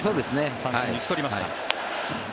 三振に打ち取りました。